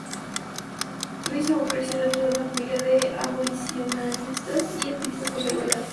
Lois Howe creció dentro de una familia de abolicionistas y activistas por la igualdad.